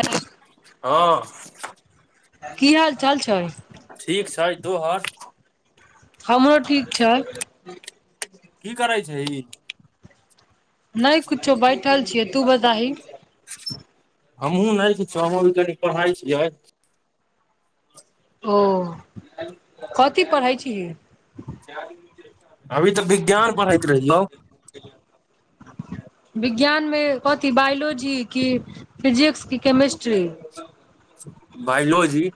हँऽ। की हाल चाल छै? ठिक छै तोहर? हमरो ठीक छै। की करै छही। नै कुछो बैठल छियै, तू बताही। हमहुूँ नै किछो हम कनि पढ़ाई छियै। ओ कथी पढ़ै छीही। अभी तऽ विज्ञान पढ़ैत रहियौ। [unintelligible] विज्ञान मे कथी बायोलॉजी, की फिजिक्स, की केमिस्ट्री? बाॅयोलाॅजी।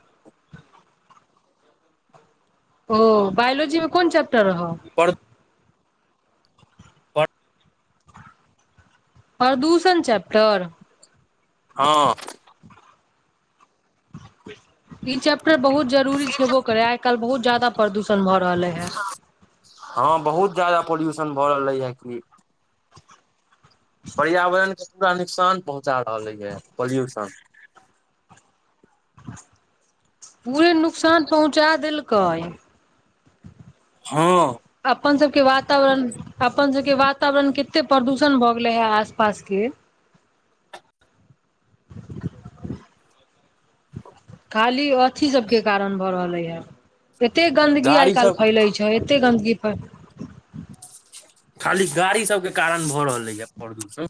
ओ बायोलॉजी में कोन चैप्टर रहौ। पर प्रदूषण चैप्टर? हँ। ई चैप्टर बहुत जरूरी छेबो करे, आइ काल्हि बहुत ज्यादा प्रदूषण भऽ रहले हे। हँ बहुत ज्यादा पोल्युशन भऽ रहलै है कि। पर्यावरण के पूरा नुकसान पहुँचा रहलै है, पॉल्यूशन। पूरे नुकसान पहुँचा देलकै। हँ। अपन सबके वातावरण अपन सबके वातावरण कते प्रदूषण भऽ गेले हे आस पास के। खाली अथी सबके कारण भऽ रहलै हे। एतेक गन्दगी गाड़ी आइ काल्हि सब फैलै छै, एतेक गन्दगी फै खाली गाड़ी सबके कारण भऽ रहलैया प्रदूषण।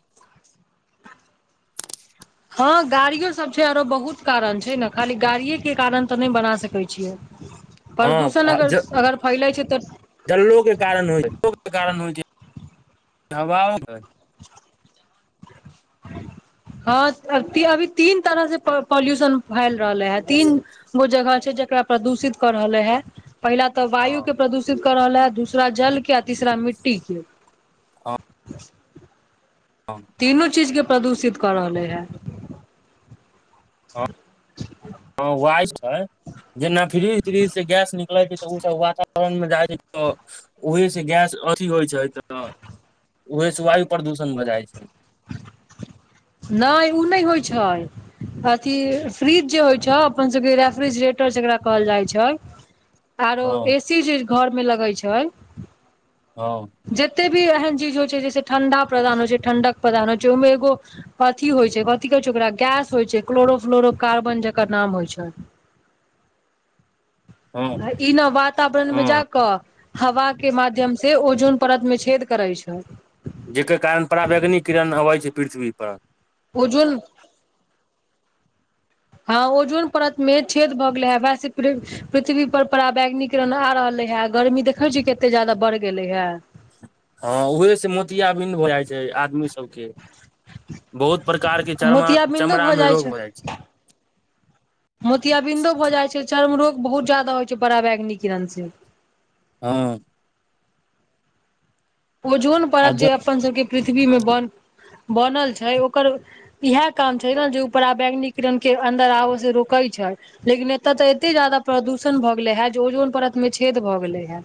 हँ गाड़ियो सब छै आरो बहुत कारण छै, ने खाली गाड़िये के कारण तऽ नहि बना सकैत छियै। प्रदूषण अगर- अगर फैलैत छै तऽ जललोके कारण हो कारण होइ छै हवा [unintelligible] [inaudible] हँ अभी तीन तरहसँ पॉल्यूशन फैल रहलै है, तीन ओ जगह छै जेकरा प्रदूषित कर रहले है, पहिला तऽ वायु के प्रदूषि त कऽ रहल है, दूसरा जल के आ तीसरा मिट्टी के। हँ हँ। तीनू चीज के प्रदूषित कऽ रहले है। हँ वाइस्ट है, जेना फ्रिज त्रिज से गैस निकल तऽ उसभ वातावरण मे जाइ छै, तऽ ओहेसँ गैस अथी होइ छै तऽ ओही से वायु प्रदूषण भऽ जाइ छै। नै उ नै होइ छै। अथि फ्रिज जे होइ छै, अपन सबके रेफ्रिजरेटर जेकरा कहल जाइ छै। आरो हँ एसी जे घर में लगै छै हँ। जते भी एहन चीज होइ छै, जैसे ठण्डा प्रदान होइ छै, ठण्डक प्रदान होइ छै ओहिमें एगो अथि होइ छै, कथी कहै छै, ओकरा गैस होइ छै क्लोरो फ्लोरो कार्बन जकर नाम होइ छै। हँ इ ने वातावरण मे हँ जाकऽ हवा के माध्यम से ओजन परत में छेद करैत छै। जकर कारण प्रावेग्निक किरण अबै छै पृथ्वी पर। ओजोन। हँ ओजन परत में छेद भऽ गेले हे वैसे प पृथ्वी पर परावैग्निकरण आ रहले हे, गर्मी देखै छीयै कते ज्यादा बढ़ गेले हे। हँ उहे से मोतियाबिन्द भऽ जाइ छै आदमी सबके। बहुत प्रकार के चरमा- चमड़ा मे रोग हो जाइ छै। मोतियाबिन्दो भऽ जाइ छै, चर्म रोग बहुत ज्यदा होइ छै, पराावैग्निकरण से। हँ। ओजोन आ परत जे ज अपन सबके पृथ्वी मे बन- बनल छै ओकर इएहे काम छै ने, जे उ परा- वैंग्निकरण के अन्दर आबो से रोके छै। लेकिन एतय तऽ एते ज्यादा प्रदूषण भऽ गेले हे, जे ओजोन परत मे छेद भऽ गेले हे।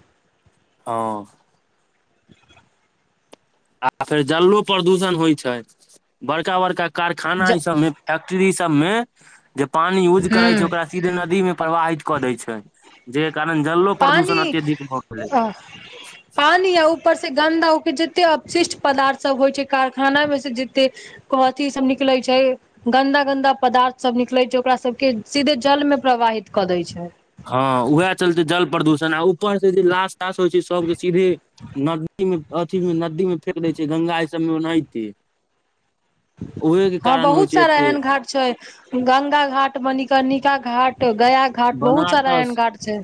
हँ। [unintelligible] आ फेर जलो प्रदूषण होइ छै, बड़का- बड़का कारखाना ई ज सब में फैक्ट्री सब में जे पानी यूज करे हूँ छै, ओकरा सीधे नदी में प्रवाहित कऽ देय छै, जेहि कारण जलो प्रदूषण पानी अत्यधिक भऽ गेले। अ पानी आ ऊपर से गन्दा, ओके जते अवशिष्ट पदार्थ सब होइ छै कारखाना में से जते अथि सब निकलै छै गन्दा- गन्दा पदार्थ सब निकले छै, ओकरा सबके के सीधे जल में प्रवाहित कऽ दै छै। हँ उएह चलते जल प्रदूषण, आ ऊपरसँ जे लाश- तास होइ छै, सभके सीधे नदी में अथी मे नदी मे फेेक दै छै, गंगाजी सबमे ओनाहिते। उहे के हँ कारण होइ बहुत छै सारा एते एहन घाट छै, गंगा घाट, मणिर्कनिका घाट, गया घाट, बहुत सारा एहन बनारस घाट छै,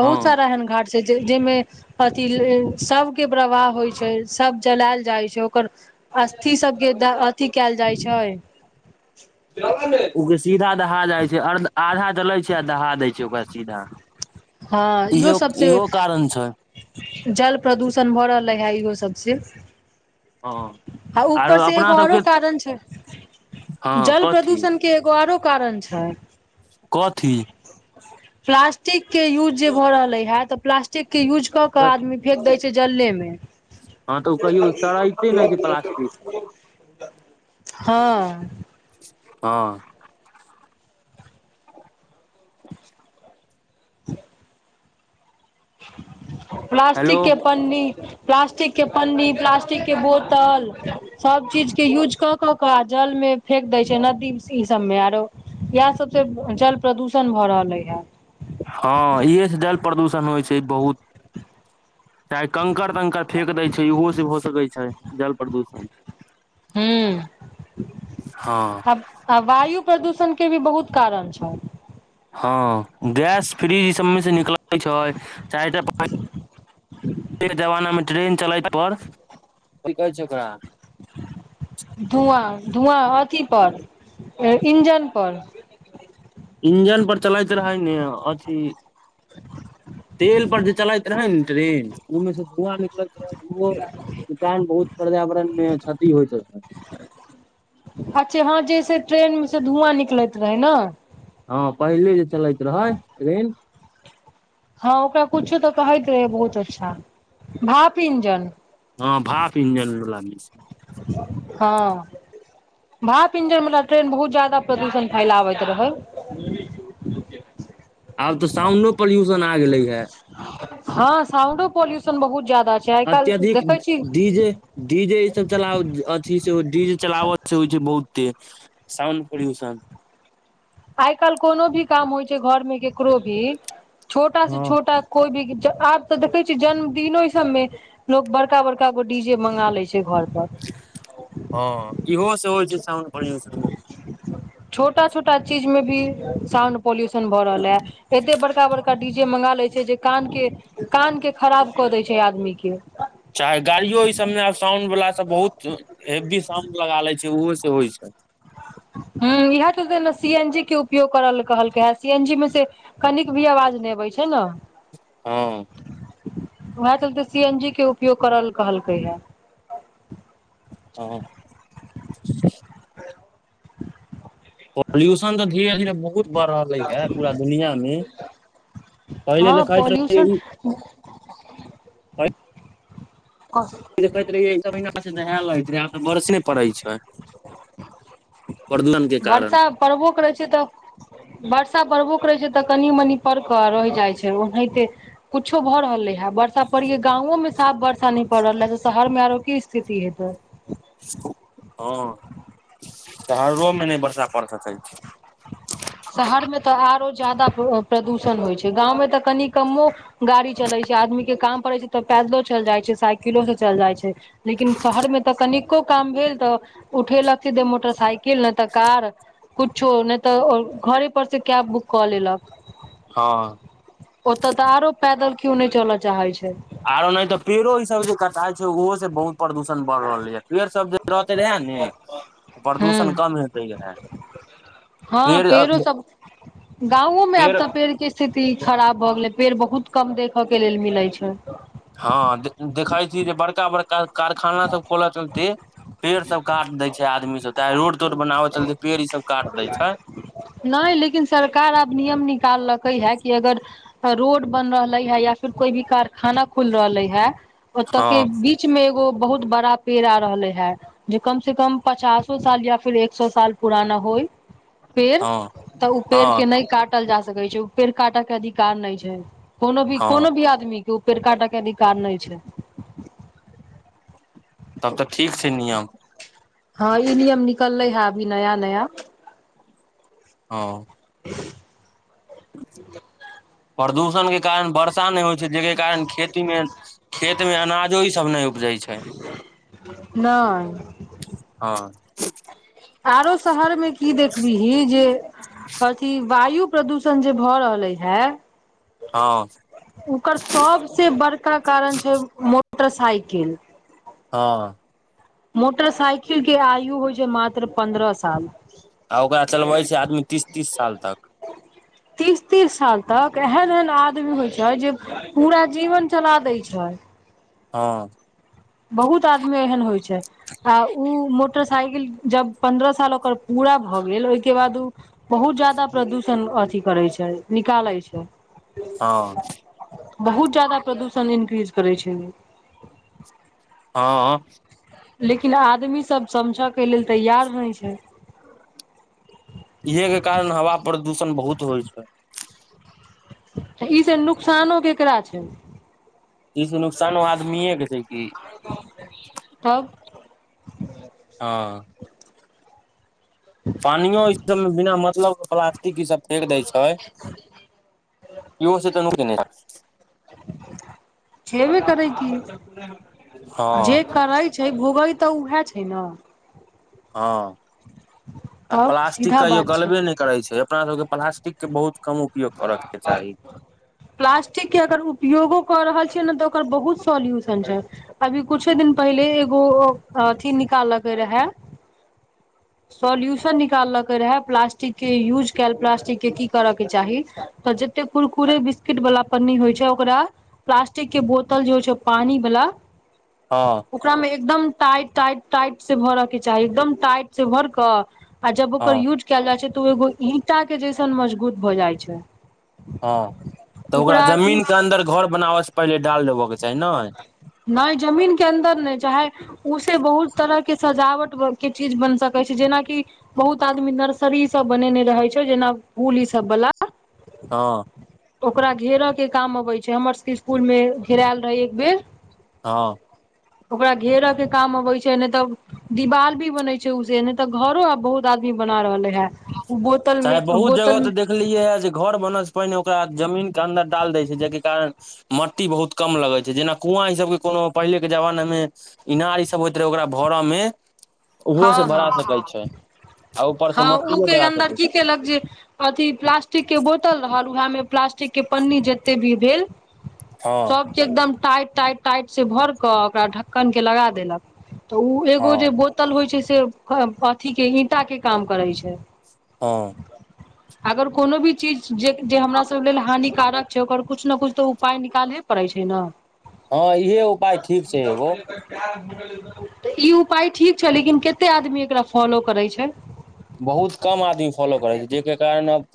हाँ सारा एहन घाट छै जाहि में सभके प्रवाह होइ छै, सब जलायल जाइ छै, ओकर अस्थि सब के अथि कयल जाइ छै। ओ सीधा दहा जाइ छै, आधा जलै छै आ दहा दै छै, ओकरा सीधा। हँ इहो- सबसँ इहो कारण छै। जल प्रदूषण भऽ रहलै हे इहो सबसँ। हाँ आ आरो ऊपर से एगो अपना सबके आओरो कारण छै, हाँ जल कथी प्रदूषण के एगो आरो कारण छै। कथी? [unintelligible] प्लास्टिक के यूज जे भऽ रहले है, तऽ प्लास्टिक के यूज कऽ के आदमी फेेक दै से जलले मे। हँ तऽ ओ कहियो सड़ैते नहि छै प्लास्टिक हँ। हँ। ह [unintelligible] हेलो प्लाास्टिक के पन्नी प्लास्टिक के पन्नी, प्लास्टिक के बोतल, सब चीज के यूज कऽ कऽ कऽ आ जल मे फेेक दै छै नदी ई सबमे आरो येएह सब से जल प्रदूषण भऽ रहलै हे। हँ इहे स जल प्रदूषण होइ छै बहुत। चाहे कंकड़- तंकड़ फेेक दै छै ओहो से हो सकै छै जल प्रदूषण। हूॅं हँ आ वायु प्रदूषण के भी बहुत कारण छय। हँ गैस फ्रीज ई सबमे से निकलत छइ च [unintelligible] पान के जवाना मे ट्रेन चलै पर कि कहै छै ओकरा धुवां- धुवां अथी पर इंजन पर। इंजन पर चलैत रहय ने अथी तेल पर जे चलैत रहइ ने ट्रेन ओइमे से धुवां निक [unintelligible] कारण बहुत पर्यावरण मे क्षति होइत रहै। अच्छा हँ जेैसे ट्रेन म से धुआँ निकलैत रहै नऽ। हँ पहिले जे चलैत रहइ ट्रेन, हँ ओकरा कुछो तऽ कहैत रहै बहुत अच्छा भाप इंजन। हँ भाप इंजन बला हँ। भाप इंजन बला ट्रेन बहुत ज्यादा प्रदूषण फैलाबैत रहय। आब तऽ साउंडो पॉल्यूशन आ गेलै हे। हँ साउंडो पाॅल्यूशन बहुत ज्यादा छै आइ काल्हि अत्यधिक देखै छी डी जे डी जे ई सब चलाउ अथी से डी जे चलावत से होइ छै बहुत ते साउंड पोल्यूशन। आइ काल्हि कोनो भी काम होइ छै घरमे केकरो भी छोटा से हँ छोटा कोई भी ज आब तऽ देखै छियै जन्मदिनो इ सबमे लोक बड़का- बड़का गो डी जे मंगा लै छै घर पर। हँ इहो से होइ छै साउंड पाॅल्यूशन बहुत। छोटा- छोटा चीज मे भी साउंड पाॅल्यूशन भऽ रहल ए। एते बड़का- बड़का डी जे मंगा लै छै जे कान के कान के खराब कऽ दै छै आदमी के। चाहे गाड़ियो इ सबमे आब साउंड बला सब बहुत हेब्बी साउंड लगा लै छै ओहो से होइ छै। हूॅं इहेए चलते ने सी एन जी के उपयोग करऽ ल कहलकै हे सी एन जी मे से कनिक भी अवाज नै अबै छै नऽ। हँ। वेहेए चलते सी एन जी के उपयोग करऽ ल कहलकै हे। ह [unintelligible] पाॅल्यूशन त धीरे- धीरे बहुत बढ़ रहलै ये पूरा दुनियां मे। पहिले जे खाइत रहै इ ह [unintelligible] हँ पहिले देखैत रहियै एक महिना से नहैल रहै छलै, आब तऽ बर्से पड़ैत छै। प्रदूषण के कारण वर्षा पड़बो करै छै तऽ वर्षा पड़बो करैत छै तऽ कनि- मनि पर कऽ रहि जाइत छै, ओनाहिते कुछो भऽ रहलै है ब बा पड़ी गांवों साफ वर्षा न पड़ल है, तऽ शहर मे आरो की स्थिति हेते हँ शहरोंमें नहि वर्षा पड़ि सकै छै शहर में तऽ आरो ज्यदा प्रदूषण होइत छै, गाँवमे तऽ कनि कमो गाड़ी चले छै, आदमी के काम पड़े छै तऽ पैदलो चल जाइ छै, साइकिलो से चल जाइ छै। लेकिन शहर में तऽ कनिको काम भेल, तऽ उठेलक से जे मोटरसाइकिल नहि तऽ कार। छो नहि तऽ घरे पर से कैब बुक कऽ लेलक। हँ। ओतय तऽ आरो पैदल क्यो नहि चलय चाहै छै। आरो ने तऽ पेड़ो ई सब जे कटाइ छै, ओहो से बहुत प्रदूषण बढ़ि रहलै यऽ, पेड़ सब जे रहते रहे ने हूं प्रदूषण कम हेतै रहै। हँ पेरो सब, गाँवोमे आब पेड़ पेड़ के स्थिति खराब भ गेले, पेड़ बहुत कम देखे के लेल मिले छै। हँ देखै छै जे बड़का- बड़का कारखाना सब खोलऽ चलते पेड़ सब काट दै छै आदमी सब, तै रोड- तोड बनाबे चलते पेड़ ई सब काट दै छै। नै लेकिन सरकार आब नियम निकाललकै हे कि अगर रोड बन रहले है, या फिर कोई भी कारखाना खुल रहले है। ओतए हँ के बीच में एगो बहुत बड़ा पेड़ आ रहले हे। जे कम से कम पचासो साल या फिर एक सए साल पुराना होइ। पेड़ हँ तऽ ओ पेड़ के हँ नहि काट ल जा सकै छै, ओ पेड़ काटे के अधिकार नहि छै, कोनो भी हँ कोनो भी आदमी के। के ऊ पेर काटऽ के अधिकार नहि छै। तब तऽ ठीक छै नियम। हँ ई नियम निकलले है अभी नया- नया। हॅंऽ। ह [inaudible] प्रदूषण के कारण वर्षा नै होइ छै, जेके कारण खेती में खेत मे अनाजो ई सब नहि उपजै छै। नय। हँ। आरो शहर में की देखबीही जे अथी वायु प्रदूषण जे भऽ रहले हे। हँ ओकर सबसे बड़का कारण छै मोटरसाइकिल। हँ। मोटरसाइकिल के आयु होइ छै मात्र पन्द्रह साल। आ ओकरा चलबै छै आदमी तीस- तीस साल तक। [unintelligible] तीस- तीस साल तक, एहन- एहन आदमी होइ छै जे, पूरा जीवन चला दै छै। हँ। बहुत आदमी एहन होइ छै। आ उ मोटरसाइकिल जब पन्द्रह साल ओकर पूरा भए गेल, ओहिके बाद ओ बहुत जादा प्रदूषण अथि करै छै निकालै छै हँ बहुत जदाा प्रदूषण इन्क्रीज करै छै। हँ। लेकिन आदमी सब समझय के लेल तैयार नहि छै। इहे के कारण हवा प्रदूषण बहुत होइ छै। इ से नुकसानो केकरा छेय। इसे नुकसान आदमीयके छै कि। तब। ह। पानियो इ सब मे बिना मतलब के ई सब फेक देय छै। इहो से तऽ न [unintelligible] क नहि। छबेय करै कि जे हँ करैत। छै भोग्य तऽ उएहे छैय ने। हँ आ तब प्लास्टिक सीधा कहियो बात छै गलबेय नहि। करै छै अपना सबके प्लास्टिक के बहुत कम। उपयोग करऽ के चाही [unintelligible] प्लास्टिक के अगर उपयोगो कऽ रहल छियै ने तऽ ओकर बहुत सॉल्यूशन छै। अभी कुछे दिन पहिले एगो अथि निकालके रहै। सोल्यूशन निकालके रहे प्लास्टिक के यूज कायल प्लास्टिक के की करय के चाही। तऽ जते कुरकुरे बिस्किट वाला पन्नी होइ छै ओकरा। प्लास्टिक के बोतल जे होइ छो पानी वाला। हँ ओकरा मे एकदम टाइट टाइट टाइट से भरऽ के चाही एकदम टाइट से भर कऽ। आ जब ओकर हँ यूज कयल जाइ छै तऽ ओ एगो ईंटा के जैसन मजगूत भ जाइ छै। हँ तऽ ओकरा जमीन के अन्दर घर बनाबय से पहिले डाल देबऽ के चाही नय। नय जमीन के अन्दर नय चाहे। उसे बहुत तरह के सजावट के चीज बन सकै छै जेनाकि। बहुत आदमी नर्सरी सब बनेने रहे छो जेना फुल इ सब बाला। हँ ओकरा घेरय के काम अबेय छै हमर सबके इस्कूल मे घेरायल रहे एक बेर। हँ। ओकरा घेरऽ के काम अबै छै नहि तऽ। दिवाल भी बने छै स नहि तऽ घरो आ बहुत आदमी बना रहले है। ओ चाहे बोतलमे बहुत जगह बोतल। तऽ देखलियै ह जे घर बने से पहिने ओकरा जमीन के अंन्दर डाल दै छै जाहिके कारण। मट्टी बहुत कम लगै छै जेना कुआँ ईसबके कोनो पहिलेके जमानामे। इनार ई सब होइत रहै ओकरा भरऽ मे। ओहो हँ से हँ भरा सकैत छै आ ऊपर से मच्छर। ओ के अन्दर की केलक जे अथी प्लास्टिक के बोतल रहल उएह मे। प्लास्टिक के पन्नी जते भी भेल। हँ। एकदम टाइट टाइट टाइट से भर कऽ ओकरा ढक्कन के लगा देलक। तऽ ओ एगो जे हँ बोतल होइ छै से अथी के ईंटा के काम करै छै। हँ [unintelligible] अगर कोनो भी चीज जे जे हमरा सब लेल हानिकारक छै ओकर कुछ ने कुछ तऽ उपाय निकालेह। परै छै न। हँ इहे उपाय ठीक छै एगो। तऽ ई उपाय ठीक छै लेकिन कते आदमी एकरा फॉलो करै छै। बहुत कम आदमी फॉलो करै छै जाहि के कारण अब।